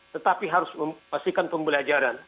tetapi harus memastikan pembelajaran